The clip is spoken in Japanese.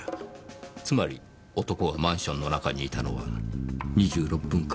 つまり男がマンションの中にいたのは２６分間。